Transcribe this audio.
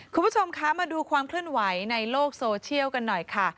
คุณผู้ชมคะมาดูความเคลื่อนไหวในโลกโซเชียลกันหน่อยค่ะ